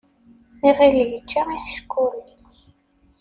Iɣil yečča iḥeckulen.